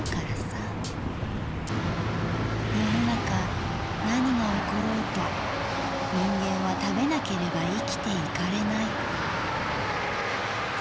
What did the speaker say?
世の中何が起ころうと人間は食べなければ生きていかれない」。